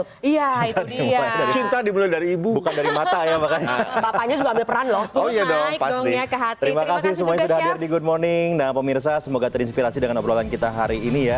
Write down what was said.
dan semoga semuanya sudah hadir di good morning